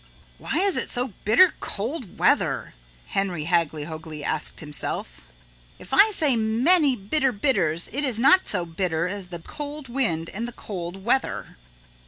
"Why is it so bitter cold weather?" Henry Hagglyhoagly asked himself, "if I say many bitter bitters it is not so bitter as the cold wind and the cold weather."